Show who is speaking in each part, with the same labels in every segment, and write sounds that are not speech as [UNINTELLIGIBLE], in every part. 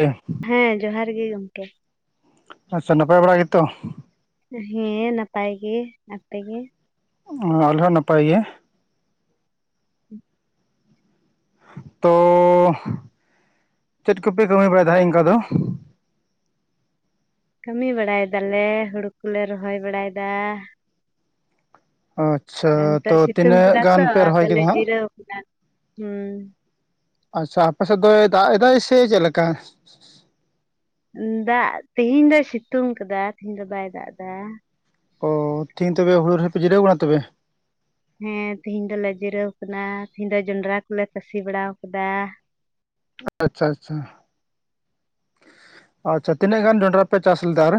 Speaker 1: ᱦᱮᱸ᱾
Speaker 2: ᱦᱮᱸ ᱡᱚᱦᱟᱨ ᱜᱮ ᱜᱚᱝᱠᱮ᱾
Speaker 1: ᱟᱪᱪᱷᱟ ᱱᱟᱯᱟᱭ ᱵᱟᱲᱟ ᱜᱮᱛᱚ?
Speaker 2: ᱦᱮᱸ ᱱᱟᱯᱟᱭ ᱜᱮ, ᱟᱯᱮ ᱜᱮ?
Speaker 1: ᱚ ᱟᱞᱮ ᱦᱚᱸ ᱱᱟᱯᱟᱭ ᱜᱮ᱾ ᱛᱚ ᱪᱮᱫ ᱠᱚᱯᱮ ᱠᱟᱹᱢᱤ ᱵᱟᱲᱟᱭ ᱫᱟᱦᱟᱸᱜ ᱤᱱᱠᱟ ᱫᱚ?
Speaker 2: ᱠᱟᱹᱢᱤ ᱵᱟᱲᱟᱭ ᱫᱟᱞᱮ ᱦᱩᱲᱩ ᱠᱚᱞᱮ ᱨᱚᱦᱚᱭ ᱵᱟᱲᱟᱭᱫᱟ᱾
Speaker 1: ᱟᱪᱪᱷᱟ ᱛᱚ
Speaker 2: ᱱᱤᱛᱚᱜ ᱥᱤᱛᱩᱝ
Speaker 1: ᱛᱤᱱᱟᱹᱜ
Speaker 2: ᱠᱟᱫᱟ ᱛᱚ
Speaker 1: ᱜᱟᱱ ᱯᱮ ᱨᱚᱦᱚᱭ
Speaker 2: ᱟᱫᱚᱞᱮ
Speaker 1: ᱠᱮᱫᱟ ᱦᱟᱸᱜ?
Speaker 2: ᱡᱤᱨᱟᱹᱣ ᱦᱩᱸ᱾
Speaker 1: ᱟᱪᱪᱷᱟ ᱟᱯᱮ ᱥᱮᱫ ᱫᱚᱭ ᱫᱟᱜ ᱮᱫᱟᱭ ᱥᱮ ᱪᱮᱫ ᱞᱮᱠᱟ?
Speaker 2: ᱫᱟᱜ ᱛᱤᱦᱤᱧ ᱫᱚᱭ ᱥᱤᱛᱩᱝ ᱟᱠᱟᱫᱟ ᱛᱤᱦᱤᱧ ᱫᱚ ᱵᱟᱭ ᱫᱟᱜ ᱫᱟ᱾
Speaker 1: ᱚ ᱛᱤᱦᱤᱧ ᱛᱚᱵᱮ ᱦᱩᱲᱩ ᱨᱚᱦᱚᱭ ᱯᱮ ᱡᱤᱨᱟᱹᱣ ᱠᱟᱱᱟ ᱛᱚᱵᱮ?
Speaker 2: ᱦᱮᱸ ᱛᱤᱦᱤᱧ ᱫᱚᱞᱮ ᱡᱤᱨᱟᱹᱣ ᱠᱟᱱᱟ, ᱛᱤᱦᱤᱧ ᱫᱚ ᱡᱚᱱᱰᱨᱟ ᱠᱚᱞᱮ ᱛᱟᱹᱥᱤ ᱵᱟᱲᱟ ᱠᱟᱫᱟ᱾
Speaker 1: ᱟᱪᱪᱷᱟ ᱟᱪᱪᱷᱟ᱾ ᱟᱪᱪᱷᱟ ᱛᱤᱱᱟᱹᱜ ᱜᱟᱱ ᱡᱚᱸᱰᱨᱟ ᱯᱮ ᱪᱟᱥ ᱞᱮᱫᱟ ᱟᱨ?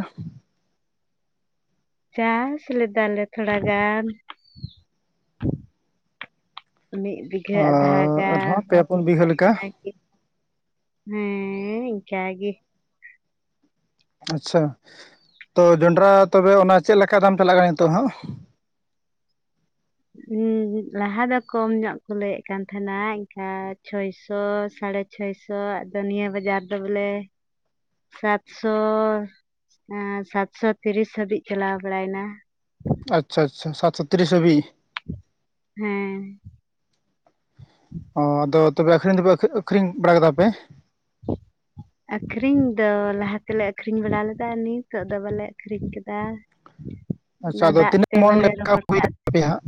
Speaker 2: ᱪᱟᱥ ᱞᱮᱫᱟᱞᱮ ᱛᱷᱳᱲᱟ ᱜᱟᱱ, ᱢᱤᱫ ᱵᱤᱜᱷᱟᱹ ᱟᱫᱷᱟ ᱜᱟᱱ,
Speaker 1: ᱟᱨᱦᱚᱸ ᱯᱮ ᱯᱩᱱ ᱵᱤᱜᱷᱟᱹ ᱞᱮᱠᱟ
Speaker 2: ᱤᱱᱟᱹ ᱜᱮ ᱦᱮᱸᱻ ᱤᱝᱠᱟ ᱜᱮ᱾
Speaker 1: ᱟᱪᱪᱷᱟ ᱛᱚ ᱡᱚᱱᱰᱨᱟ ᱛᱚᱵᱮ ᱚᱱᱟ ᱪᱮᱫ ᱞᱮᱠᱟ ᱫᱟᱢ ᱯᱮ ᱞᱟᱜᱟᱣᱟ ᱱᱤᱛᱚᱜ ᱦᱟᱸᱜ?
Speaker 2: ᱩᱸ ᱞᱟᱦᱟ ᱫᱚ ᱠᱚᱢ ᱧᱚᱜ ᱠᱚ ᱞᱟᱹᱭᱮᱫ ᱠᱟᱱ ᱛᱟᱦᱮᱸᱱᱟ ᱮᱱᱠᱟ ᱪᱷᱚᱭ ᱥᱚ ᱥᱟᱲᱮ ᱪᱷᱚᱭ ᱥᱚ ᱟᱫᱚ ᱱᱤᱭᱟᱹ ᱵᱟᱡᱟᱨ ᱫᱚ ᱵᱚᱞᱮ ᱥᱟᱛᱥᱚ ᱟᱸ ᱥᱟᱛᱥᱚ ᱛᱤᱨᱤᱥ ᱦᱟᱹᱵᱤᱡ ᱪᱟᱞᱟᱣ ᱵᱟᱲᱟᱭᱱᱟ᱾
Speaker 1: ᱟᱪᱪᱷᱟ ᱟᱪᱪᱷᱟ ᱥᱟᱛᱥᱚ ᱛᱤᱨᱤᱥ ᱦᱟᱹᱵᱤᱡ?
Speaker 2: ᱦᱮᱸ᱾
Speaker 1: ᱚ ᱟᱫᱚ ᱛᱚᱵᱮ ᱟᱹᱠᱷᱨᱤᱧ ᱫᱚ ᱟᱹᱠᱷᱨᱤᱧ ᱵᱟᱲᱟ ᱠᱟᱫᱟ ᱯᱮ?
Speaker 2: ᱦ ᱟᱹᱠᱷᱨᱤᱧ ᱫᱚ ᱞᱟᱦᱟ ᱛᱮᱞᱮ ᱟᱹᱠᱷᱨᱤᱧ ᱵᱟᱲᱟ ᱞᱮᱫᱟ, ᱱᱤᱛᱚᱜ ᱫᱚ ᱵᱟᱞᱮ ᱟᱹᱠᱷᱨᱤᱧ ᱠᱟᱫᱟ᱾ ᱦ
Speaker 1: ᱟᱪᱪᱷᱟ ᱟᱫᱚ ᱛᱤᱱᱟᱹᱜ ᱢᱚᱱ ᱞᱮᱠᱟ ᱦᱩᱭ ᱞᱮᱱ ᱛᱟᱯᱮᱭᱟ ᱦᱟᱸᱜ?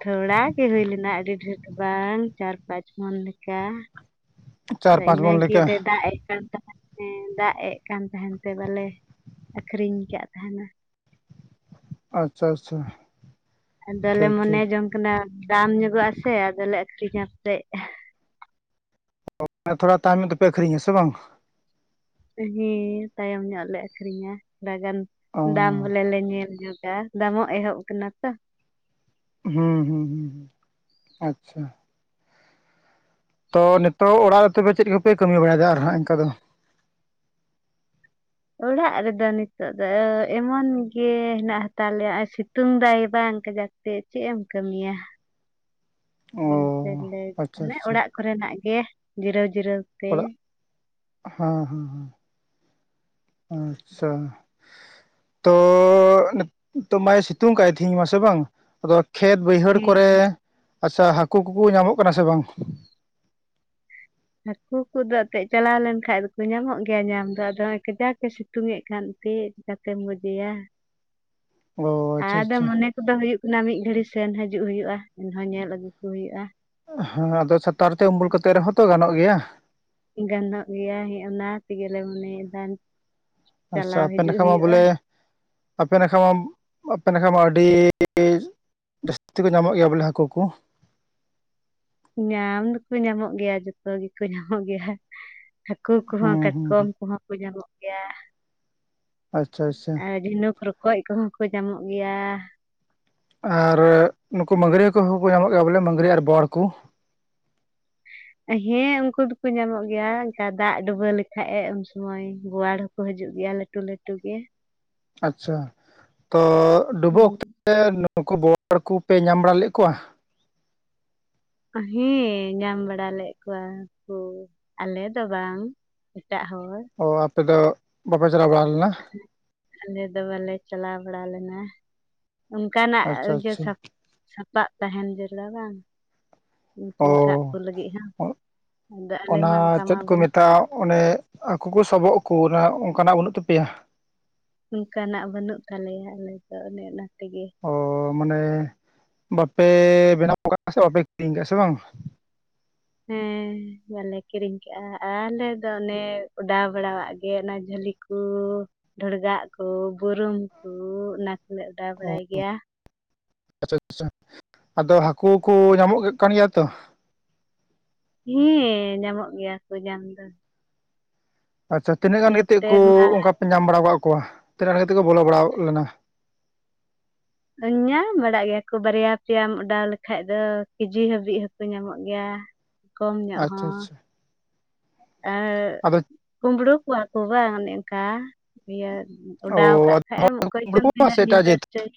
Speaker 2: ᱛᱷᱚᱲᱟ ᱜᱮ ᱦᱩᱭ ᱞᱮᱱᱟ ᱟᱹᱰᱤ ᱰᱷᱮᱨ ᱫᱚ ᱵᱟᱝ ᱪᱟᱨ ᱯᱟᱸᱪ ᱢᱚᱱ ᱞᱮᱠᱟ᱾
Speaker 1: ᱪᱟᱨ ᱯᱟᱸᱪ ᱢᱚᱱ
Speaker 2: ᱤᱱᱟᱹᱜ
Speaker 1: ᱞᱮᱠᱟ
Speaker 2: ᱟᱫᱚᱭ ᱫᱟᱜ ᱮᱫ ᱠᱟᱱ ᱛᱟᱦᱮᱸ ᱦᱮᱸ ᱫᱟᱜ ᱮᱫ ᱠᱟᱱ ᱛᱟᱦᱮᱸᱱ ᱛᱮ ᱵᱟᱞᱮ ᱟᱹᱠᱷᱨᱤᱧ ᱠᱟᱫ ᱛᱟᱦᱮᱸᱱᱟ᱾
Speaker 1: ᱟᱪᱪᱷᱟ ᱟᱪᱪᱷᱟ᱾
Speaker 2: ᱟᱫᱚᱞᱮ
Speaker 1: ᱴᱷᱤᱠ
Speaker 2: ᱢᱚᱱᱮ
Speaker 1: ᱴᱷᱤᱠ
Speaker 2: ᱡᱚᱝ ᱠᱟᱱᱟ ᱫᱟᱢ ᱧᱚᱜᱚᱜᱼᱟ ᱥᱮ ᱟᱫᱚᱞᱮ ᱟᱹᱠᱷᱨᱤᱧᱟ ᱥᱮᱜ
Speaker 1: ᱛᱷᱚᱲᱟ ᱛᱟᱭᱚᱢ ᱧᱚᱜ ᱛᱮᱯᱮ ᱟᱹᱠᱷᱨᱤᱧᱟ ᱦᱮᱸᱥᱮ ᱵᱟᱝ?
Speaker 2: ᱦᱮᱸ ᱛᱟᱭᱚᱢ ᱧᱚᱜ ᱞᱮ ᱟᱹᱠᱷᱨᱤᱧᱟ ᱛᱷᱚᱲᱟ ᱜᱟᱱ
Speaker 1: ᱚ
Speaker 2: ᱫᱟᱢ ᱵᱚᱞᱮ ᱞᱮ ᱧᱮᱞ ᱧᱚᱜᱟ ᱫᱟᱢᱚᱜ ᱮᱦᱚᱵ ᱠᱟᱱᱟ ᱛᱚ,
Speaker 1: ᱦᱩᱸ ᱦᱩᱸ ᱦᱩᱸ ᱟᱪᱪᱷᱟ᱾ ᱛᱚ ᱱᱤᱛᱚᱜ ᱚᱲᱟᱜ ᱨᱮ ᱛᱚᱵᱮ ᱪᱮᱫ ᱠᱚᱯᱮ ᱠᱟᱹᱢᱤ ᱵᱟᱲᱟᱭᱫᱟ ᱟᱨ ᱦᱟᱸᱜ ᱮᱱᱠᱟ ᱫᱚ?
Speaker 2: ᱚᱲᱟᱜ ᱨᱮᱫᱚ ᱱᱤᱛᱳᱜ ᱫᱚ ᱮᱢᱚᱱ ᱜᱮ ᱦᱮᱱᱟᱜ ᱦᱟᱛᱟᱲ ᱞᱮᱭᱟ ᱮ ᱥᱤᱛᱩᱝ ᱫᱟᱭ ᱵᱟᱝ ᱠᱟᱡᱟᱠ ᱥᱮ ᱪᱮᱫ ᱮᱢ ᱠᱟᱹᱢᱤᱭᱟ᱾
Speaker 1: ᱚ
Speaker 2: ᱚᱱᱟᱛᱮᱞᱮ
Speaker 1: ᱟᱪᱪᱷᱟ
Speaker 2: ᱢᱟᱱᱮ
Speaker 1: ᱟᱪᱪᱷᱟ
Speaker 2: ᱚᱲᱟᱜ ᱠᱚᱨᱮᱱᱟᱜ ᱜᱮ ᱡᱤᱨᱟᱹᱣ ᱡᱤᱨᱟᱹᱣ ᱛᱮ
Speaker 1: ᱚᱲᱟᱜ, ᱦᱟᱸ ᱦᱟᱸᱦᱟᱸ ᱾ ᱟᱼᱪᱪᱷᱟ ᱾ ᱛᱚᱻ, ᱱᱤᱛᱚᱜ ᱢᱟᱭ ᱥᱤᱛᱩᱝ ᱠᱟᱜᱼᱟᱭ, ᱛᱤᱦᱤᱧ ᱢᱟ ᱥᱮ ᱵᱟᱝ? ᱟᱫᱚ ᱠᱷᱮᱛ, ᱵᱟᱹᱭᱦᱟᱹᱲ ᱠᱚᱨᱮ,
Speaker 2: ᱦᱮᱸ
Speaker 1: ᱟᱪᱪᱷᱟ, ᱦᱟᱠᱩ ᱠᱚᱠᱚ ᱧᱟᱢᱚᱜ, ᱠᱟᱱᱟ ᱥᱮ ᱵᱟᱝ?
Speaker 2: ᱦᱟᱹᱠᱩ ᱠᱚᱫᱚ, ᱮᱛᱮᱫ ᱪᱟᱞᱟᱣ ᱞᱮᱱᱠᱟᱡ ᱫᱚᱠᱚ, ᱧᱟᱢᱚᱜ ᱜᱮᱭᱟ, ᱧᱟᱢ ᱫᱚ ᱾ ᱟᱫᱚ ᱦᱚᱸᱜᱼᱚᱭ ᱠᱟᱡᱟᱠ ᱮ ᱥᱤᱛ ᱼᱛᱩᱝ ᱮᱫ ᱠᱷᱟᱱ, ᱪᱮᱫ ᱞᱮᱠᱟᱛᱮᱢ ᱜᱚᱡᱮᱭᱟ
Speaker 1: ᱚ
Speaker 2: ᱾
Speaker 1: ᱟᱪᱪᱷᱟ
Speaker 2: ᱟᱫᱚ,
Speaker 1: ᱟᱪᱪᱷᱟ
Speaker 2: ᱢᱚᱱᱮ ᱠᱚᱫᱚ, ᱦᱩᱭᱩᱜ ᱠᱟᱱᱟ, ᱢᱤᱫ ᱜᱷᱟᱹᱲᱤ ᱥᱮᱱ ᱦᱤᱡᱩᱜ ᱦᱩᱭᱩᱜᱼᱟ ᱾ᱮᱱᱦᱚᱸ, ᱧᱮᱞ ᱟᱹᱜᱩ ᱠᱚ ᱦᱩᱭᱩᱜᱼᱟ ᱾
Speaker 1: ᱦᱚᱻ ᱟᱫᱚ, ᱪᱷᱟᱛᱟᱨ ᱛᱮ, ᱩᱢᱩᱞ ᱠᱟᱛᱮᱜ ᱨᱮᱦᱚᱸ ᱛᱚ, ᱜᱟᱱᱚᱜ ᱜᱮᱭᱟ ᱾
Speaker 2: ᱜᱟᱱᱚᱜ ᱜᱮᱭᱟ ᱾ ᱚᱱᱟ ᱛᱮᱜᱮ ᱞᱮ, ᱢᱚᱱᱮ ᱮᱫᱟ ᱾
Speaker 1: ᱟᱪᱪᱷᱟ, ᱟᱯᱮ ᱱᱟᱠᱷᱟ ᱢᱟ, ᱵᱚᱞᱮ, ᱟᱯᱮ ᱱᱟᱠᱷᱟ, ᱢᱟᱢ ᱟᱯᱮ ᱱᱟᱠᱷᱟ ᱢᱟ, ᱟᱹᱰᱤᱼᱤᱼᱤᱻᱡ ᱡᱟᱹᱥᱛᱤ ᱠᱚ, ᱧᱟᱢᱚᱜ ᱜᱮᱭᱟ ᱵᱚᱞᱮ, ᱦᱟ. ᱠᱩ ᱠᱚ?
Speaker 2: ᱧᱟᱢ ᱫᱚ ᱠᱚ, ᱧᱟᱢᱚᱜ ᱜᱮᱭᱟ ᱾ ᱡᱚᱛᱚ ᱜᱮ ᱠᱚ, ᱧᱟᱢᱚᱜ ᱜᱮᱭᱟ ᱾ ᱦᱟᱠᱩ ᱠᱚ ᱦᱚᱸ,
Speaker 1: ᱦᱩᱸ ᱦᱩᱸ
Speaker 2: ᱠᱟᱴᱠᱚᱢ
Speaker 1: ᱦᱩᱸ
Speaker 2: ᱠᱚ ᱦᱚᱸ ᱠᱚ, ᱧᱟᱢᱚᱜ ᱜᱮᱭᱟ
Speaker 1: ᱟᱪᱪᱷᱟ ᱟᱪᱪᱷᱟ
Speaker 2: ᱾ ᱟᱨ, ᱡᱷᱤᱱᱩᱠ-ᱨᱚᱠᱚᱡ ᱠᱚ ᱦᱚᱸ ᱠᱚ, ᱧᱟᱢᱚᱜ ᱜᱮᱭᱟ ᱾
Speaker 1: ᱟᱨ, ᱱᱩᱠᱩ, ᱢᱟᱹᱜᱽᱨᱤ ᱦᱟ. ᱠᱩ ᱦᱚᱸ ᱠᱚ, ᱧᱟᱢᱚᱜ ᱜᱮᱭᱟ ᱾ ᱵᱚᱞᱮ, ᱢᱟᱹᱜᱽᱨᱤ ᱟᱨ ᱵᱚᱣᱟᱲ ᱠᱚ ᱾
Speaker 2: ᱦᱮᱸ! ᱩᱱᱠᱩ ᱫᱚ ᱠᱩ ᱧᱟᱢᱚᱜ ᱜᱮᱭᱟ ᱾ ᱡᱟ ᱫᱟᱜ ᱰᱩᱵᱟᱹ ᱞᱮᱠᱷᱟᱡ ᱮ, ᱩᱱ ᱥᱚᱢᱚᱭ ᱵᱳᱣᱟᱲ ᱦᱟᱠᱩ ᱠᱩ ᱦᱟᱹᱡᱩᱜ ᱜᱮᱭᱟ, ᱞᱟᱹᱴᱩ ᱞᱟᱹᱴᱩ ᱜᱮ ᱾
Speaker 1: ᱟᱪᱪᱷᱟ! ᱛᱚ ᱰᱩᱵᱟᱹ ᱚᱠᱛᱚ ᱛᱮ, ᱱᱩᱠᱩ ᱵᱳᱣᱟᱲ ᱠᱩᱯᱮ, ᱧᱟᱢ ᱵᱟᱲᱟ ᱞᱮᱫ ᱠᱩᱣᱟ?
Speaker 2: ᱦᱮᱸᱻ, ᱧᱟᱢ ᱵᱟᱲᱟ ᱞᱮᱫ, ᱠᱚᱣᱟ ᱠᱩ, ᱟᱞᱮ ᱫᱚ ᱵᱟᱝ? ᱮᱴᱟᱜ ᱦᱚᱲ ᱾
Speaker 1: ᱚᱼ ᱟᱯᱮ ᱫᱚ, ᱵᱟᱯᱮ ᱪᱟᱞᱟᱣ ᱵᱟᱲᱟ, ᱞᱮᱱᱟ?
Speaker 2: ᱟᱞᱮ ᱫᱚ, ᱵᱟᱞᱮ ᱪᱟᱞᱟᱣ ᱵᱟᱲᱟ, ᱞᱮᱱᱟ ᱾ ᱚᱱᱠᱟᱱᱟᱜ
Speaker 1: ᱟᱪᱪᱷᱟ
Speaker 2: ᱜᱮ,
Speaker 1: ᱟᱪᱪᱷᱟ
Speaker 2: ᱥᱟᱯᱟᱵ ᱥᱟᱯᱟᱯ ᱛᱟᱦᱮᱱ, ᱡᱟᱹᱨᱩᱲᱟ ᱵᱟᱝ? ᱩᱱᱠᱩ,
Speaker 1: ᱚ
Speaker 2: ᱥᱟᱵ ᱠᱩ ᱞᱟᱹᱜᱤᱫ ᱦᱚᱸ, ᱟᱫᱚ ᱟᱞᱮ ᱢᱟ, ᱚᱱᱠᱟ ᱢᱟ ᱵᱟᱹᱱᱩᱜ ᱾
Speaker 1: ᱛᱟ, ᱚᱱᱮ ᱦᱟᱠᱩ ᱠᱩ, ᱥᱟᱵᱚᱜ ᱠᱩ, ᱚᱱᱠᱟ ᱱᱟᱜ ᱵᱟᱹᱱᱩᱜ ᱛᱟᱯᱮᱭᱟ?
Speaker 2: ᱚᱱᱠᱟ ᱱᱟᱜ ᱵᱟᱹᱱᱩᱜ ᱛᱟᱞᱮᱭᱟ ᱾ ᱟᱞᱮ ᱫᱚ, ᱚᱱᱮ ᱚᱱᱟ ᱛᱮ ᱜᱮ ᱾
Speaker 1: ᱚᱻ, ᱢᱟᱱᱮ, ᱵᱟᱯᱮ ᱵᱮᱱᱟᱣ ᱟᱠᱟᱫᱼᱟ ᱥᱮ, ᱵᱟᱯᱮ ᱠᱤᱨᱤᱧ ᱟᱠᱟᱫᱼᱟ ᱥᱮ, ᱵᱟᱝ?
Speaker 2: ᱦᱮᱸ! ᱵᱟᱞᱮ ᱠᱤᱨᱤᱧ ᱟᱠᱟᱫᱼᱟ, ᱟᱞᱮ ᱫᱚ ᱚᱱᱮ ᱚᱰᱟᱣ ᱵᱟᱲᱟᱣᱟᱜ ᱜᱮ, ᱚᱱᱟ ᱡᱷᱟᱹᱞᱤ ᱠᱩ, ᱰᱷᱚᱲᱜᱟᱜ ᱠᱩ, ᱵᱩᱨᱩᱢ ᱠᱩ, ᱚᱱᱟ ᱠᱚᱞᱮ ᱚᱰᱟᱣ ᱵᱟᱲᱟᱭ ᱜᱮᱭᱟ ᱾
Speaker 1: ᱟᱪᱪᱟᱻᱪᱷᱟ, ᱟᱫᱚ ᱦᱟᱠᱩ ᱠᱩ ᱧᱟᱢᱚᱜ ᱠᱟᱱ ᱜᱮᱭᱟ ᱛᱚ?
Speaker 2: ᱦᱮᱸᱻ, ᱧᱟᱢᱚᱜ ᱜᱮᱭᱟ ᱠᱩ, ᱧᱟᱢ ᱫᱚ ᱾
Speaker 1: ᱟᱪᱪᱷᱟ, ᱛᱤᱱᱟᱹᱜ ᱜᱟᱱ ᱜᱤᱛᱤᱜ
Speaker 2: ᱱᱚᱛᱮ
Speaker 1: ᱠᱚ
Speaker 2: ᱢᱟ
Speaker 1: ᱚᱱᱠᱟ ᱯᱮ, ᱧᱟᱢ ᱵᱟᱲᱟ ᱟᱠᱟᱫ ᱠᱚᱣᱟ, ᱛᱤᱱᱟᱹᱜ ᱜᱟᱱ ᱠᱟᱛᱮ ᱠᱩ ᱵᱚᱞᱚ ᱵᱟᱲᱟ ᱞᱮᱱᱟ ᱾
Speaker 2: ᱧᱟᱢ ᱵᱟᱲᱟᱜ ᱜᱮᱭᱟ ᱠᱚ, ᱵᱟᱨᱭᱟ ᱯᱮᱭᱟᱢ ᱚᱰᱟᱣ ᱞᱮᱠᱷᱟᱡ ᱫᱚ, ᱠᱮᱡᱤ ᱦᱟᱹᱵᱤᱡ ᱦᱚᱸᱠᱩ ᱧᱟᱢᱚᱜ ᱜᱮᱭᱟ ᱾ ᱠᱚᱢ ᱧᱚᱜ, ᱦᱚ
Speaker 1: ᱟᱪᱪᱷᱟ
Speaker 2: ᱾
Speaker 1: ᱟᱪᱪᱷᱟ
Speaker 2: ᱮᱸᱼᱟ,
Speaker 1: ᱟᱫᱚ
Speaker 2: ᱠᱩᱢᱵᱽᱲᱩ ᱠᱩᱣᱟ ᱠᱩ, ᱵᱟᱝ ᱚᱱᱮ ᱚᱱᱠᱟ, ᱤᱭᱟᱹ ᱾ ᱚᱰᱟᱣ
Speaker 1: ᱚ
Speaker 2: ᱠᱟᱜ ᱠᱷᱟᱡ ᱮᱢ, ᱚᱠᱚᱭ ᱪᱚᱝ
Speaker 1: ᱟᱫᱚ ᱥᱮ
Speaker 2: ᱛᱤᱱᱟᱹᱜ
Speaker 1: ᱮᱴᱟᱜ
Speaker 2: ᱧᱤᱫᱟᱹ
Speaker 1: ᱡᱟᱹᱛ
Speaker 2: ᱨᱮ ᱚᱪᱚᱭ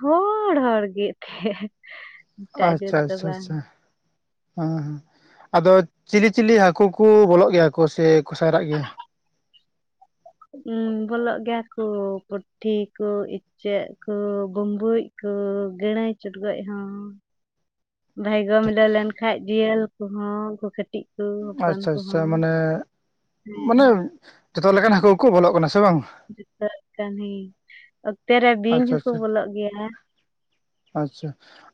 Speaker 2: ᱦᱚᱲ, ᱦᱚᱲ ᱜᱮ ᱮᱛᱮ ᱾
Speaker 1: ᱟᱻᱪᱷᱟ, ᱪᱷ ᱪᱷᱟ, ᱟᱪᱪᱷᱟ ᱾ ᱦᱟᱸ ᱦᱟᱸ, ᱟᱫᱚ, ᱪᱤᱞᱤ ᱪᱤᱞᱤ ᱦᱟᱹᱠᱩ ᱠᱩ, ᱵᱚᱞᱚᱜ ᱜᱮᱭᱟ ᱠᱩ, ᱥᱮ ᱠᱚ ᱥᱟᱭᱨᱟᱜ ᱜᱮᱭᱟ‌?
Speaker 2: ᱩᱸᱻ ᱵᱚᱞᱚᱜ ᱜᱮᱭᱟ ᱠᱩ, ᱯᱩᱴᱷᱤ ᱠᱩ ᱤᱪ ᱪᱟᱹᱜ ᱠᱩ, ᱵᱩᱢᱵᱩᱸᱡ ᱠᱩ, ᱜᱟᱹᱬᱟᱹᱭ ᱪᱚᱰᱜᱚᱡ ᱦᱚᱸ ᱾ ᱵᱷᱟᱭᱜᱳ ᱢᱤᱞᱟᱹᱣ ᱞᱮᱱ, ᱠᱷᱟᱡ ᱡᱤᱭᱟᱹᱞ ᱠᱩᱦᱚᱸ, ᱠᱩᱠᱮᱴ
Speaker 1: ᱟᱪᱪᱷᱟ ᱟᱪᱪᱷᱟ ᱢᱟᱱᱮ,
Speaker 2: ᱦᱮᱸ
Speaker 1: ᱢᱟᱱᱮ ᱡᱷᱚᱛᱚ ᱞᱮᱠᱟᱱ ᱦᱟᱹᱠᱩ ᱠᱩ ᱵᱚᱞᱚᱜ ᱠᱟᱱᱟ ᱥᱮ ᱵᱟᱝ?
Speaker 2: ᱡᱚᱛᱚ ᱞᱮᱠᱟᱱ ᱦᱮ ᱚᱠᱛᱮ ᱨᱮ ᱵᱤᱧ
Speaker 1: ᱟᱪᱪᱷᱟ
Speaker 2: ᱦᱚᱸᱠᱩ
Speaker 1: ᱟᱪᱪᱷᱟ
Speaker 2: ᱵᱚᱞᱚᱜ ᱜᱮᱭᱟ᱾
Speaker 1: ᱟᱪᱪᱷᱟ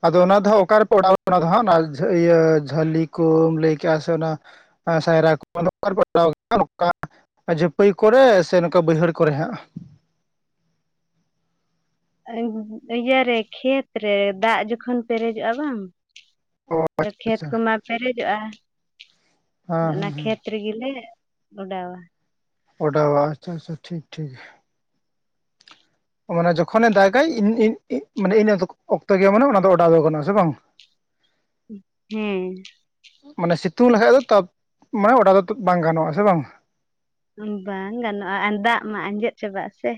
Speaker 1: ᱟᱫᱚ ᱚᱱᱟ ᱫᱚᱼᱟᱸᱜ ᱚᱠᱟ ᱨᱮ ᱯᱮ ᱚᱰᱟᱣ ᱚᱱᱟ ᱫᱚ ᱦᱟᱸᱜ ᱚᱱᱟ ᱤᱭᱟᱹ ᱡᱷᱟᱹᱞᱤ ᱠᱩᱢ ᱞᱟᱹᱭ ᱠᱮᱫᱮᱜᱼᱟ ᱥᱮ ᱚᱱᱟ ᱟ [UNINTELLIGIBLE] ᱥᱟᱭᱨᱟ ᱠᱚ ᱱᱚᱝᱠᱟ ᱯᱴᱟᱣ ᱱᱚᱝᱠᱟ [UNINTELLIGIBLE] ᱡᱟᱹᱯᱟᱹᱭ ᱠᱚ ᱨᱮ ᱥᱮ ᱱᱚᱝ ᱠᱟ ᱵᱟᱹᱭᱦᱟᱹᱲ ᱠᱚ ᱨᱮ ᱦᱟᱸᱜ?
Speaker 2: ᱤᱭᱟᱹᱨᱮ ᱠᱷᱮᱛ ᱨᱮ ᱫᱟᱜ ᱡᱚ ᱠᱷᱚᱱ ᱯᱮᱨᱮᱡᱚᱜᱼᱟ ᱵᱟᱝ
Speaker 1: ᱚ ᱟᱪᱪᱷᱟ
Speaker 2: ᱠᱷᱮᱛ
Speaker 1: ᱟᱪᱪᱷᱟ
Speaker 2: ᱠᱚᱢᱟ ᱯᱮᱨᱮᱡᱚᱜᱼᱟ,
Speaker 1: ᱦᱮᱸ
Speaker 2: ᱚᱱᱟ
Speaker 1: ᱦᱮᱸ ᱦᱮᱸ
Speaker 2: ᱠᱷᱮᱛ ᱨᱮᱜᱮ ᱞᱮ ᱚᱰᱟᱣᱟ᱾
Speaker 1: ᱚᱰᱟᱣᱟ ᱟᱪᱪᱷᱟ ᱟᱪᱪᱷᱟ ᱴᱷᱤᱠ ᱴᱷᱤᱠ ᱢᱟᱱᱮ ᱡᱚᱠᱷᱚ ᱱᱮ ᱫᱟᱜ ᱜᱟᱭ ᱢᱟᱱᱮ ᱤᱱᱼᱤᱱᱟᱹ ᱚᱠᱛᱚ ᱜᱮ ᱢᱟᱱᱮ ᱚᱱᱟ ᱫᱚ ᱚᱰᱟᱣ ᱫᱚ ᱜᱟᱱᱚᱜᱼᱟ ᱥᱮ ᱵᱟᱝ?
Speaker 2: ᱦᱮᱸ
Speaker 1: ᱢᱟᱱᱮ ᱥᱤᱛᱩᱝ ᱞᱮᱠᱷᱟᱡ ᱫᱚ ᱛᱟᱯ ᱢᱟᱱᱮ ᱚᱰᱟᱣ ᱫᱚ ᱵᱟᱝ ᱜᱟᱱᱚᱜᱼᱟ ᱥᱮ ᱵᱟᱝ?
Speaker 2: ᱵᱟᱝ ᱜᱟᱱᱚᱜᱼᱟ ᱟᱨ ᱫᱟᱜ ᱢᱟ ᱟᱸᱡᱮᱫ ᱪᱟᱵᱟᱜᱼᱟ ᱥᱮ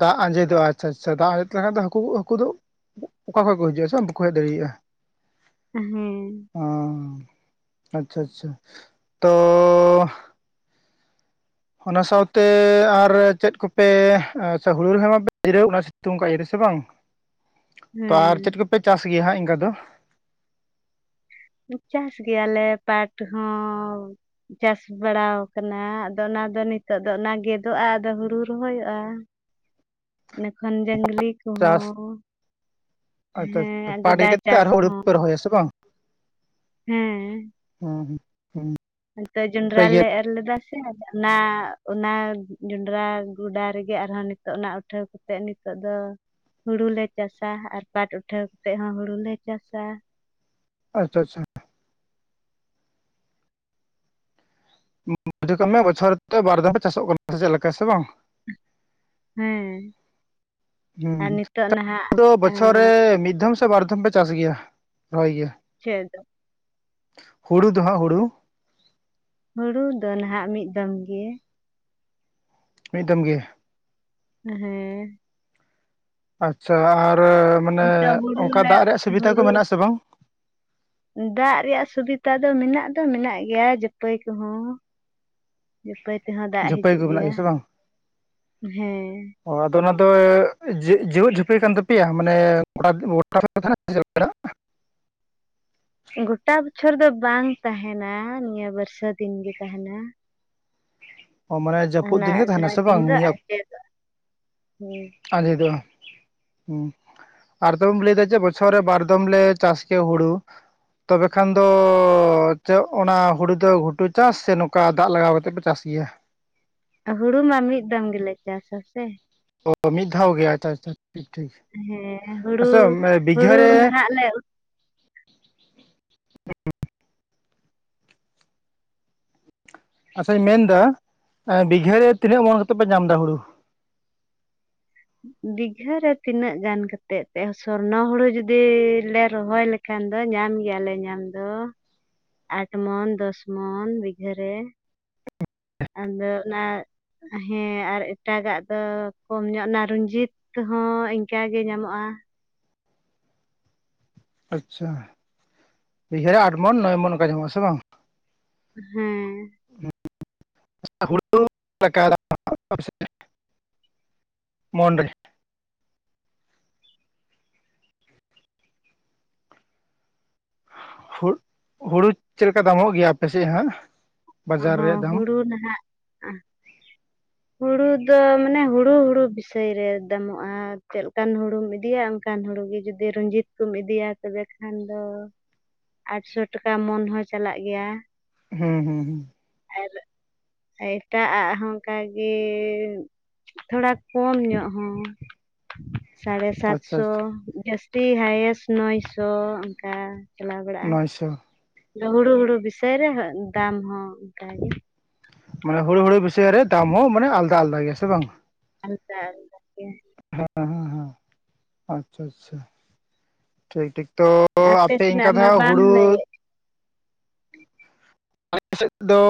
Speaker 1: ᱫᱟᱜ ᱟᱸᱡᱮ ᱫᱚᱜᱼᱟ, ᱟᱪᱪᱷᱟ ᱟᱪᱪᱷᱟ ᱫᱟᱜ ᱟᱸᱡᱮᱫ ᱞᱮ ᱠᱷᱟᱱ ᱫᱚ ᱦᱟᱹᱠᱩ ᱠᱩ ᱦᱟᱹᱠᱩ ᱫᱚ ᱚᱠᱟ ᱠᱷᱚᱡ ᱠᱚ ᱦᱤᱡᱩᱜᱼᱟ, ᱥᱮ ᱵᱟᱝ ᱵᱟᱠᱚ ᱦᱮᱡ ᱫᱟᱲᱤᱭᱟᱜᱼᱟ᱾
Speaker 2: ᱦᱩᱸ
Speaker 1: ᱚᱸᱻ ᱟᱪᱪᱷᱟ ᱟᱪᱪᱷᱟ ᱛᱚᱻ ᱚᱱᱟ ᱥᱟᱶᱛᱮ ᱟᱨ ᱪᱮᱫ ᱠᱚᱯᱮ ᱟᱪᱷᱟ ᱦᱩᱲᱩ ᱨᱮ ᱦᱚᱸ [UNINTELLIGIBLE] ᱵᱟᱯᱮ ᱡᱤᱨᱟᱹᱣ [UNINTELLIGIBLE] ᱥᱤᱛᱩᱝ ᱟᱠᱟᱜ ᱤᱨᱥᱮ ᱵᱟᱝ? ᱛᱚ
Speaker 2: ᱦᱮᱸ
Speaker 1: ᱟᱨ ᱪᱮᱫ ᱠᱚ ᱯᱮ ᱪᱟᱥ ᱜᱮᱭᱟ ᱦᱟᱸᱜ ᱤᱱᱠᱟ ᱫᱚ?
Speaker 2: ᱪᱟᱥ ᱜᱮᱭᱟ ᱞᱮ ᱯᱟᱴ ᱦᱚᱸ ᱪᱟᱥ ᱵᱟᱲᱟᱣ ᱟᱠᱟᱱᱟ ᱟᱫᱚ ᱚᱱᱟ ᱫᱚ ᱱᱤᱛᱳᱜ ᱫᱚ ᱚᱱᱟ ᱜᱮᱫᱚᱜᱼᱟ ᱟᱫᱚ ᱦᱩᱲᱩ ᱨᱚᱦᱚᱭᱚᱜᱼᱟ᱾ ᱮ ᱠᱷᱟᱱ ᱫᱚ [UNINTELLIGIBLE] ᱠᱚ
Speaker 1: ᱪᱟᱥ
Speaker 2: ᱦᱚᱸ᱾
Speaker 1: ᱟᱪᱪᱷᱟ ᱟᱪᱪᱷᱟ ᱯᱟᱴ ᱤᱨ ᱠᱟᱛᱮ ᱟᱨ ᱦᱚᱸ ᱦᱩᱲᱩ ᱠᱚ ᱯᱮ ᱨᱚᱦᱚᱭᱟ ᱥᱮ ᱵᱟᱝ? ᱦᱩᱸ ᱦᱩᱸ ᱦᱩᱸ
Speaker 2: ᱱᱚᱛᱮ ᱡᱚᱱᱸᱰᱨᱟ
Speaker 1: ᱯᱮ ᱜᱮᱫ
Speaker 2: ᱞᱮ ᱮᱨ ᱮᱨ ᱞᱮᱫᱟ ᱥᱮ ᱚᱱᱟ ᱚᱱᱟ ᱡᱚᱸᱰᱨᱟ ᱜᱚᱰᱟ ᱨᱮ ᱜᱮ ᱟᱨ ᱦᱚᱸ ᱱᱤᱛᱚᱜ ᱱᱟᱸᱜ ᱩᱴᱷᱟᱹᱣ ᱠᱟᱛᱮ᱾ ᱠᱟᱛᱮᱫ ᱱᱤᱛᱚᱜ ᱫᱚ ᱦᱩᱲᱩ ᱞᱮ ᱪᱟᱥᱟ ᱟᱨ ᱯᱟᱴ ᱩᱴᱷᱟᱹᱣ ᱠᱟᱛᱮᱜ ᱦᱚᱸ ᱦᱩᱲᱩ ᱞᱮ ᱪᱟᱥᱟ᱾
Speaker 1: ᱟᱪᱪᱷᱟ ᱟᱪᱪᱷᱟ ᱾ ᱵᱩᱡᱷᱟᱹ ᱠᱟᱜ ᱢᱮ ᱵᱚᱪᱷᱚᱨ ᱛᱮ ᱵᱟᱨ ᱫᱷᱟᱣ ᱪᱟᱥᱚᱜ ᱠᱟᱱᱟ ᱥᱮ ᱪᱮᱫ ᱞᱮᱠᱟ ᱥᱮ ᱵᱟᱝ?
Speaker 2: ᱦᱮᱸ ᱟᱨ
Speaker 1: ᱦᱮᱸ
Speaker 2: ᱱᱤᱛᱚᱜ
Speaker 1: [UNINTELLIGIBLE]
Speaker 2: ᱱᱟᱦᱟᱜ
Speaker 1: ᱵᱚᱪᱷᱚᱨ ᱨᱮ
Speaker 2: ᱟᱸ
Speaker 1: ᱢᱤᱫ ᱫᱷᱚᱢ ᱥᱮ ᱵᱟᱨᱫᱷᱚᱢ ᱯᱮ ᱪᱟᱥ ᱜᱮᱭᱟ, ᱨᱚᱦᱚᱭ ᱜᱮ ᱾
Speaker 2: ᱪᱮᱫ?
Speaker 1: ᱦᱩᱲᱩ ᱫᱚ ᱦᱚᱸᱜ ᱦᱩᱲᱩ
Speaker 2: ᱦᱩᱲᱩ ᱫᱚ ᱱᱟᱦᱟᱜ ᱢᱤᱫ ᱫᱚᱢ ᱜᱮ᱾
Speaker 1: ᱢᱤᱜ ᱫᱚᱢ ᱜᱮ ᱾
Speaker 2: ᱦᱮᱸ
Speaker 1: ᱟᱪᱪᱷᱟ ᱟᱨ ᱢᱟᱱᱮ
Speaker 2: ᱱᱤᱛᱚᱜ ᱦᱩᱲᱩ
Speaker 1: ᱚᱱᱠᱟ
Speaker 2: ᱞᱮ
Speaker 1: ᱫᱟᱜ ᱨᱮᱭᱟᱜ ᱥᱩᱵᱤᱫᱷᱟ ᱠᱚ
Speaker 2: ᱦᱩᱲᱩ
Speaker 1: ᱢᱮᱱᱟᱜ ᱟᱥᱮ ᱵᱟᱝ?
Speaker 2: ᱫᱟᱜ ᱨᱮᱭᱟᱜ ᱥᱩᱵᱤᱛᱟ ᱫᱚ ᱢᱮᱱᱟᱜ ᱫᱚ ᱢᱮᱱᱟᱜ ᱜᱮᱭᱟ ᱡᱟᱹᱯᱟᱹᱭ ᱠᱚᱦᱚᱸ᱾ ᱡᱟᱹᱯᱟᱹᱭ ᱛᱮ ᱦᱚᱸ ᱫᱟᱜ
Speaker 1: ᱡᱷᱟᱹᱯᱟᱹᱭ
Speaker 2: ᱦᱤᱡᱩᱜ
Speaker 1: ᱠᱚ ᱢᱮᱱᱟᱜ
Speaker 2: ᱜᱮᱭᱟ
Speaker 1: ᱥᱮ ᱵᱟᱝ
Speaker 2: ᱦᱮᱸ᱾
Speaker 1: ᱚ ᱟᱫᱚ ᱚᱱᱟ ᱫᱚ ᱡᱮᱣᱮᱫ ᱡᱷᱟᱹᱯᱤ ᱠᱟᱱ ᱛᱟᱯᱮ ᱭᱟ ᱢᱟᱱᱮ [UNINTELLIGIBLE] ᱨᱮ ᱛᱟᱦᱮᱸᱱᱟ ᱪᱮ [UNINTELLIGIBLE]
Speaker 2: ᱜᱚᱴᱟ ᱵᱚᱪᱷᱚᱨ ᱫᱚ ᱵᱟᱝ ᱛᱟᱦᱮᱸᱱᱟ ᱱᱤᱭᱟᱹ ᱵᱟᱹᱨᱥᱟ ᱫᱤᱱ ᱜᱮ ᱛᱟᱦᱮᱸᱱᱟ ᱾
Speaker 1: ᱢᱟᱱᱮ ᱡᱟᱹᱯᱩᱫ ᱫᱤᱱ ᱜᱮ ᱛᱟᱦᱮᱸᱱᱟ
Speaker 2: ᱡᱟᱦᱟᱸ
Speaker 1: ᱥᱮ
Speaker 2: ᱫᱤᱱ
Speaker 1: ᱵᱟᱝ
Speaker 2: ᱫᱚ
Speaker 1: ᱱᱤᱭᱟᱹ
Speaker 2: ᱟᱸᱡᱮᱫᱚᱜ ᱦᱩᱸ
Speaker 1: ᱟᱸᱫᱷᱮ ᱫᱚ? ᱦᱩᱸ ᱟᱨ ᱫᱚᱢ ᱞᱟᱹᱭᱫᱟ ᱡᱮ ᱵᱚᱪᱷᱚᱨ ᱨᱮ ᱵᱟᱨ ᱫᱚᱢ ᱞᱮ ᱪᱟᱥ ᱠᱮᱭᱟ ᱦᱩᱲᱩ᱾ ᱛᱚᱵᱮ ᱠᱷᱟᱱ ᱫᱚ ᱪᱮᱫ ᱚᱱᱟ ᱦᱩᱲᱩ ᱫᱚ ᱜᱷᱩᱴᱩ ᱪᱟᱥ ᱥᱮ ᱱᱚᱝᱠᱟ ᱫᱟᱜ ᱞᱟᱜᱟᱣ ᱠᱟᱛᱮᱜ ᱯᱮ ᱪᱟᱥ ᱜᱮᱭᱟ?
Speaker 2: ᱦᱩᱲᱩ ᱢᱟ ᱢᱤᱫ ᱫᱚᱢ ᱜᱮᱞᱮ ᱪᱟᱥᱟ ᱥᱮ᱾
Speaker 1: ᱳ ᱢᱤᱫ ᱫᱷᱟᱣ ᱜᱮ ᱟᱪᱪᱷᱟ-ᱟᱪᱪᱷᱟ ᱴᱷᱤᱠ-ᱴᱷᱤᱠ ᱟᱪᱪᱷᱟ ᱵᱤᱜᱷᱟᱹ ᱨᱮᱼᱼ
Speaker 2: ᱟᱞᱮ ᱩᱛᱼᱼ
Speaker 1: ᱟᱪᱪᱷᱟᱧ ᱢᱮᱱ ᱫᱟ ᱟᱸ ᱵᱷᱤᱜᱟᱹ ᱨᱮ ᱛᱤᱱᱟᱹᱜ ᱢᱚᱱ ᱠᱟᱛᱮᱜ ᱯᱮ ᱧᱟᱢ ᱫᱟ ᱦᱩᱲᱩ?
Speaker 2: ᱫᱤᱜᱷᱟᱹ ᱨᱮ ᱛᱤᱱᱟᱹᱜ ᱜᱟᱱ ᱠᱟᱛᱮᱫ ᱛᱮ ᱥᱚᱨᱱᱚ ᱦᱩᱲᱩ ᱡᱩᱫᱤ ᱞᱮ ᱨᱚᱦᱚᱭ ᱞᱮᱠᱼᱼ ᱠᱷᱟᱱ ᱫᱚ ᱧᱟᱢ ᱜᱮᱭᱟᱞᱮ ᱧᱟᱢ ᱫᱚ᱾ ᱟᱴ ᱢᱚᱱ ᱫᱚᱥ ᱢᱚᱱ ᱵᱤᱜᱷᱟᱹ ᱨᱮ, ᱟᱫᱚ ᱚᱱᱟᱼᱼ ᱦᱮᱸ ᱟᱨ ᱮᱴᱟᱜᱟᱜ ᱫᱚ ᱠᱚᱢ ᱧᱚᱜ ᱱᱟ ᱨᱩᱱᱡᱤᱛ, ᱦᱚᱸ ᱤᱱᱠᱟ ᱜᱮ ᱧᱟᱢᱚᱜ-ᱟ᱾
Speaker 1: ᱟᱪᱪᱷᱟ ᱵᱤᱜᱷᱟᱹ ᱨᱮ ᱟᱴ ᱢᱚᱱ ᱱᱚᱭ ᱢᱚᱱ ᱚᱱᱠᱟ ᱧᱟᱢᱚᱜ-ᱟ ᱦᱮᱸᱥᱮ ᱵᱟᱝ?
Speaker 2: ᱦᱮᱸᱻ
Speaker 1: [UNINTELLIGIBLE] [UNINTELLIGIBLE] ᱦᱩᱲᱜ ᱦᱩᱲᱩ ᱪᱮᱫ ᱞᱮᱠᱟ ᱫᱟᱢᱚᱜ ᱜᱮᱭᱟ ᱟᱯᱮ ᱥᱮᱜ ᱦᱟᱸᱜ? ᱵᱟᱡᱟᱨ
Speaker 2: ᱚᱦᱚᱸ
Speaker 1: ᱨᱮᱭᱟᱜ ᱫᱟᱢ
Speaker 2: ᱦᱩᱲᱩ ᱱᱷᱟᱸᱜᱼᱼ ᱦᱩᱲᱩ ᱫᱚ ᱢᱟᱱᱮ ᱦᱩᱲᱩ-ᱦᱩᱲᱩ ᱵᱤᱥᱚᱭ ᱨᱮ ᱫᱟᱢᱚᱜ-ᱟ, ᱪᱮᱫᱞᱮᱠᱟᱱ ᱦᱩᱲᱩᱢ ᱤᱫᱤᱭᱟᱢ᱾ ᱚᱱᱠᱟᱱ ᱦᱩᱲᱩ ᱜᱮ ᱡᱩᱫᱤ ᱨᱩᱱᱡᱤᱛ ᱠᱚᱢ ᱤᱫᱤᱭᱟ ᱛᱚᱵᱮ ᱠᱷᱟᱱ ᱫᱚᱼᱼ ᱟᱴᱥᱳ ᱴᱟᱠᱟ ᱢᱚᱱ ᱦᱚᱸ ᱪᱟᱞᱟᱜ ᱜᱮᱭᱟ᱾
Speaker 1: ᱦᱩᱸ-ᱦᱩᱸ-ᱦᱩᱸ
Speaker 2: ᱟᱨ ᱮᱴᱟᱜᱼᱟᱜ ᱦᱚᱸ ᱚᱱᱠᱟᱜᱮᱻ ᱛᱷᱳᱲᱟ ᱠᱚᱢ ᱧᱚᱜ ᱦᱚᱸᱼᱼ ᱥᱟᱲᱮ
Speaker 1: ᱟᱪᱪᱷᱟ
Speaker 2: ᱥᱟᱛᱥᱚ
Speaker 1: ᱟᱪᱪᱷᱟ
Speaker 2: ᱡᱟᱹᱥᱛᱤ ᱦᱟᱭᱮᱥᱴ ᱱᱚᱭᱥᱚ ᱚᱱᱠᱟ ᱪᱟᱞᱟᱣ ᱵᱟᱲᱟᱜ-ᱟ᱾
Speaker 1: ᱱᱚᱭᱥᱚ
Speaker 2: ᱦᱩᱲᱩ-ᱦᱩᱲᱩ ᱵᱤᱥᱟᱹᱭ ᱨᱮᱦᱚᱸ ᱫᱟᱢ ᱦᱚᱸ ᱚᱱᱠᱟ ᱜᱮ,
Speaker 1: ᱢᱟᱱᱮ ᱦᱩᱲᱩ-ᱦᱩᱲᱩ ᱵᱤᱥᱟᱹᱭ ᱨᱮ ᱫᱟᱢ ᱦᱚᱸ ᱢᱟᱱᱮ ᱟᱞᱫᱟ ᱟᱞᱫᱟ ᱜᱮ ᱥᱮ ᱵᱟᱝ?
Speaker 2: [UNINTELLIGIBLE]
Speaker 1: ᱦᱮᱸ-ᱦᱮᱸ-ᱦᱮᱸ ᱟᱪᱪᱷᱟ-ᱟᱪᱪᱷᱟ ᱴᱷᱤᱠ-ᱴᱷᱤᱠ ᱛᱚᱼᱼ ᱛᱚ ᱟᱯᱮ ᱤᱱᱠᱟ
Speaker 2: ᱥᱮᱱᱟᱜ
Speaker 1: ᱫᱚ
Speaker 2: ᱢᱟ
Speaker 1: ᱦᱟᱸᱜ
Speaker 2: ᱵᱟᱢ
Speaker 1: ᱦᱩᱲᱩᱼᱼ
Speaker 2: ᱞᱟᱹᱭᱮᱫ
Speaker 1: ᱟᱞᱮ ᱥᱮᱫ ᱫᱚᱼᱼ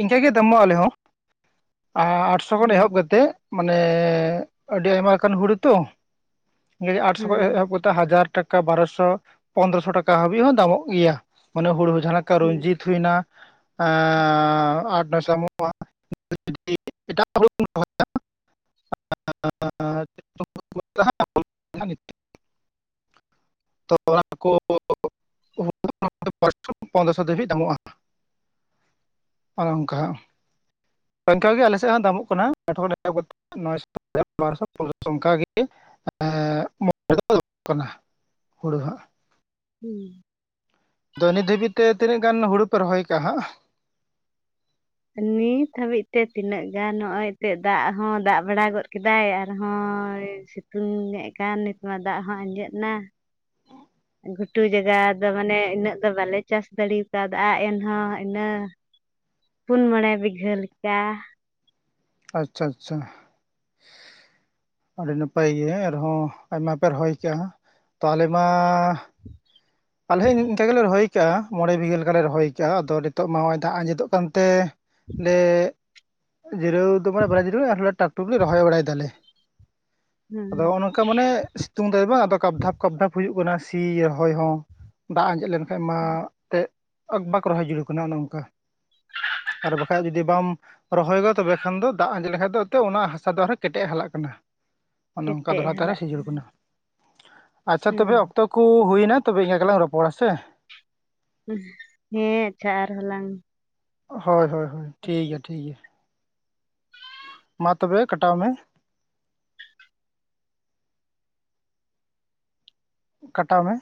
Speaker 1: ᱤᱱᱠᱟᱹ ᱜᱮ ᱫᱟᱢᱚᱜ ᱟᱞᱮ ᱦᱚᱸ, ᱟᱸ ᱟᱴᱥᱚ ᱠᱷᱚᱱ
Speaker 2: ᱦᱮᱸ
Speaker 1: ᱮᱦᱚᱵ ᱠᱟᱛᱮᱜ ᱢᱟᱱᱮᱻ ᱟᱹᱰᱤ ᱟᱭᱢᱟ ᱞᱮᱠᱟᱱ ᱦᱩᱲᱩ ᱛᱚ, ᱱᱤᱭᱮ ᱟᱴᱥᱚ ᱠᱷᱚᱡ
Speaker 2: ᱦᱮᱸ
Speaker 1: ᱮᱦᱚᱵ ᱠᱟᱛᱮᱜ ᱦᱟᱡᱟᱨᱼᱼ ᱴᱟᱠᱟ ᱵᱟᱨᱚᱥᱚ ᱯᱚᱱᱫᱨᱚᱥᱚ ᱴᱟᱠᱟ ᱦᱟᱹᱵᱤᱡ ᱦᱚᱸ ᱫᱟᱢᱚᱜ ᱜᱮᱭᱟ ᱢᱟᱱᱮ ᱦᱩᱲᱩ ᱡᱟᱦᱟᱸ ᱞᱮᱠᱼᱼ ᱞᱮᱠᱟ
Speaker 2: ᱦᱮᱸ
Speaker 1: ᱨᱩᱱᱡᱤᱛ ᱦᱩᱭᱱᱟ ᱟᱴ-ᱱᱚᱭ ᱥᱚ ᱫᱟᱢᱚᱜ-ᱟ᱾ [UNINTELLIGIBLE] ᱟᱸᱨ [UNINTELLIGIBLE] ᱛᱚ ᱚᱱᱟ ᱠᱚ [UNINTELLIGIBLE] [UNINTELLIGIBLE] ᱯᱚᱱᱫᱽᱨᱚ ᱥᱚ ᱫᱷᱟᱹᱵᱤᱡ ᱫᱟᱢᱚᱜ-ᱟ ᱚᱱᱮ ᱚᱱᱠᱟ ᱚᱱᱠᱟᱜ ᱜᱮ ᱟᱞᱮ ᱥᱮᱫ ᱦᱚᱸ ᱫᱟᱢᱚᱜ ᱠᱟᱱᱟ [UNINTELLIGIBLE] ᱚᱱᱠᱟᱜᱮ ᱦᱮᱸ [UNINTELLIGIBLE]
Speaker 2: ᱦᱩᱸ
Speaker 1: ᱟᱫᱚ ᱱᱤᱛ ᱦᱟᱹᱵᱤᱡ ᱛᱮ ᱛᱤᱱᱟᱹᱜ ᱜᱟᱱ ᱦᱩᱲᱩ ᱯᱮ ᱨᱚᱦᱚᱭ ᱠᱟᱜ-ᱟ ᱦᱟᱸᱜ?
Speaker 2: ᱱᱤᱛ ᱦᱟᱹᱵᱤᱡ ᱛᱮ ᱛᱤᱱᱟᱹᱜ ᱜᱟᱱ ᱱᱚᱜ-ᱚᱭ ᱛᱮᱜ ᱫᱟᱜ ᱦᱚᱸ ᱫᱟᱜ ᱵᱟᱲᱟ ᱜᱚᱫ ᱠᱮᱫᱟᱭ ᱟᱨᱦᱚᱸᱭᱼᱼ ᱥᱤᱛᱩᱝ-ᱮᱜ ᱠᱟᱱ ᱱᱤᱛᱢᱟ ᱫᱟᱜ ᱦᱚᱸ ᱟᱸᱡᱮᱫ ᱮᱱᱟ᱾ ᱜᱷᱩᱴᱩ ᱡᱟᱭᱜᱟ ᱫᱚ ᱢᱟᱱᱮ ᱤᱱᱟᱹᱜ ᱫᱚ ᱵᱟᱞᱮ ᱪᱟᱥ ᱫᱟᱲᱮ ᱠᱟᱣᱫᱟ ᱮᱱᱦᱚᱸ ᱤᱱᱟᱹᱼᱼ ᱯᱩᱱ-ᱢᱚᱬᱮ ᱵᱤᱜᱷᱟᱹ ᱞᱮᱠᱟ᱾
Speaker 1: ᱟᱪᱪᱷᱟ ᱟᱪᱪᱷᱟ ᱟᱹᱰᱤ ᱱᱟᱯᱟᱭ ᱜᱮ ᱟᱨ ᱦᱚᱸ ᱟᱭᱢᱟ ᱯᱮ ᱨᱚᱦᱚᱭ ᱠᱟᱜᱼᱟ᱾ ᱛᱟᱦᱞᱮ ᱢᱟ ᱟᱞᱮ ᱤᱱᱝᱠᱟ ᱜᱮ ᱞᱮ ᱨᱚᱦᱚᱭ ᱟᱠᱟᱜᱼᱟ ᱢᱚᱬᱮ ᱵᱤᱜᱟᱹ ᱞᱮᱠᱟᱞ ᱞᱮ ᱨᱚᱦᱚᱭ ᱟᱠᱟᱜᱼᱟ ᱟᱫᱚ ᱱᱤᱛᱚᱜ ᱢᱟ ᱱᱚᱜᱼᱚᱭ ᱫᱟᱜ ᱟᱸᱡᱮᱫ ᱚᱜ ᱠᱟᱱᱛᱮ ᱮ ᱡᱤᱨᱟᱹᱣ ᱫᱚ ᱢᱟᱱᱮ ᱵᱟᱞᱮ ᱡᱤᱨᱟᱹᱜ ᱟ ᱟᱨ ᱴᱟᱠ ᱴᱩᱠ ᱞᱮ ᱨᱚᱦᱚᱭ ᱵᱟᱲᱟᱭ ᱫᱟᱞᱮ᱾ ᱟᱫᱚᱜᱼᱚ
Speaker 2: ᱦᱮᱸ
Speaker 1: ᱱᱚᱝ ᱠᱟ ᱢᱟᱱᱮ ᱥᱤᱛᱩᱝ ᱫᱟᱭ ᱵᱟᱝ ᱟᱫᱚ ᱠᱟᱯ ᱫᱷᱟᱯ ᱠᱟᱯ ᱫᱷᱟᱯ ᱦᱩᱭᱩᱜ ᱠᱟᱱᱟ ᱥᱤ ᱨᱚᱦᱚᱭ ᱦᱚᱸ ᱫᱟᱜ ᱟᱸᱡᱮᱫ ᱞᱮᱱᱠᱷᱟᱡ ᱢᱟ ᱮᱱᱛᱮᱫ ᱵᱟᱠᱚ ᱨᱚᱦᱚᱭ ᱡᱩᱲᱩᱣ ᱠᱟᱱᱟ ᱚᱱᱮ ᱚᱱᱠᱟ ᱟᱨ ᱵᱟᱠᱷᱟᱡ ᱡᱩᱫᱤ ᱵᱟᱢ ᱨᱚᱦᱚᱭ ᱜᱚᱫ ᱛᱚ ᱵᱮ ᱠᱷᱟᱱ ᱫᱚ ᱫᱟᱜ ᱟᱸᱡᱮᱫ ᱞᱮ ᱠᱷᱟᱱ ᱫᱚ ᱛᱚ ᱚᱱᱟ ᱦᱟᱥᱟ ᱫᱚ ᱟᱨ ᱦᱚᱸ ᱠᱮᱴᱮᱡ ᱦᱟᱞᱟᱜ ᱠᱟᱱᱟ ᱚᱱᱮ ᱚᱱᱠᱟ
Speaker 2: ᱠᱮᱴᱮᱡ
Speaker 1: ᱫᱚᱦᱲᱟ ᱛᱮ ᱟᱨ
Speaker 2: ᱦᱟᱞᱟᱜ
Speaker 1: ᱦᱚᱸ ᱥᱤᱡᱚᱨ ᱟᱠᱟᱱᱟ ᱟᱪᱪᱷᱟ ᱛᱚ ᱵᱮ
Speaker 2: ᱦᱮᱸ
Speaker 1: ᱚᱠᱛᱚ ᱠᱚ ᱦᱩᱭ ᱱᱟ ᱛᱚ ᱵᱮ ᱮᱱᱟᱹᱜ ᱜᱮᱞᱟᱝ ᱨᱚᱯᱚᱲᱟ ᱥᱮ
Speaker 2: ᱦᱮᱸ ᱟᱪᱪᱷᱟ ᱟᱨ ᱦᱚ ᱞᱟᱝ
Speaker 1: ᱦᱳᱭ ᱦᱳᱭ ᱦᱳᱭ ᱴᱷᱤᱠ ᱜᱮᱭᱟ ᱴᱷᱤᱠ ᱜᱮᱭᱟ᱾ ᱢᱟ ᱛᱚᱵᱮ ᱠᱟᱴᱟᱣ ᱢᱮ᱾ ᱠᱟᱴᱟᱣ ᱢᱮ᱾